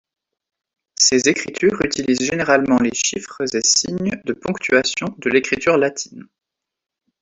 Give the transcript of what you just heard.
Ces écritures utilisent généralement les chiffres et signes de ponctuation de l’écriture latine.